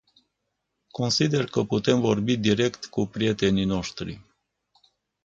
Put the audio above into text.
Consider că putem vorbi direct cu prietenii noștri.